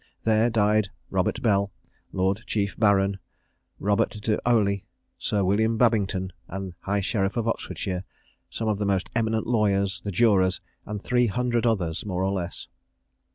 There died Robert Bell, Lord Chief Baron, Robert de Olie, Sir William Babington, the high sheriff of Oxfordshire, some of the most eminent lawyers, the jurors, and three hundred others, more or less."